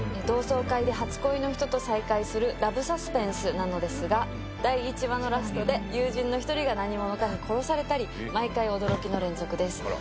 同窓会で初恋の人と再会するラブサスペンスなのですが第１話のラストで友人の一人が何者かに殺されたり毎回、驚きの連続です。